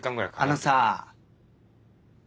あのさぁ。